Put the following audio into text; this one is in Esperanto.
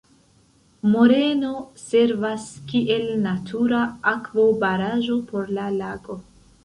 Moreno servas kiel natura akvobaraĵo por la lago.